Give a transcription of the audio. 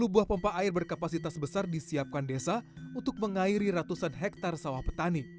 sepuluh buah pompa air berkapasitas besar disiapkan desa untuk mengairi ratusan hektar sawah petani